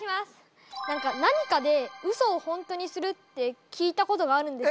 何か何かでウソをホントにするって聞いたことがあるんですが。